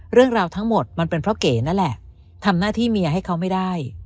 เรื่องราวทั้งหมดมันเป็นเพราะเก๋นั่นแหละทำหน้าที่เมียให้เขาไม่ได้